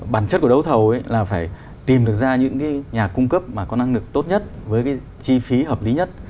bản chất của đấu thầu là phải tìm được ra những cái nhà cung cấp mà có năng lực tốt nhất với cái chi phí hợp lý nhất